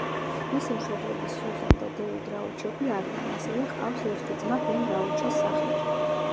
მისი მშობლები სიუზენ და დევიდ რაუჩები არიან, ასევე ჰყავს ერთი ძმა, ბენ რაუჩის სახით.